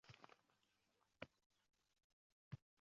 Men qamalmadim